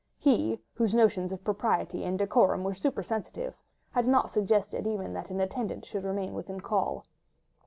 He, whose notions of propriety and decorum were supersensitive, had not suggested even that an attendant should remain within call.